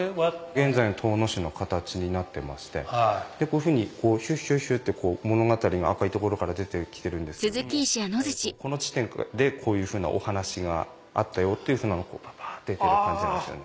現在の遠野市の形になってましてこういうふうにヒュッヒュッヒュッて物語が赤い所から出てきてるんですけれどもこの地点でこういうふうなお話があったよっていうふうなのをパッパっ出てる感じなんですよね。